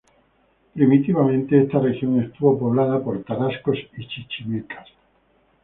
Primitivamente esta región estuvo poblada por Tarascos y Chichimecas.